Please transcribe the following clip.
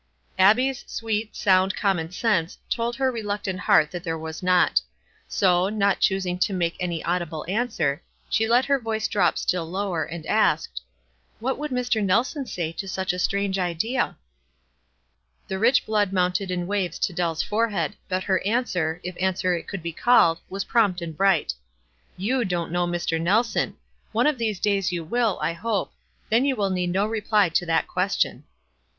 Abbic's sweet, sound common sense told her reluctant heart that there was not; so, not choosing to make any audible answer, she let her voice drop still lower, and asked, "What would Mr. Nelson say to such a strange idea?" The rich blood mounted in waves to Dell's forehead, but her answer, if answer it could be called, was prompt and bright. " You don't know 7 Mr. Nelson ; one of these days you will, I hope — then you will need no reply to that question."